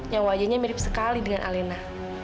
yang wajahnya mirip sekali dengan alena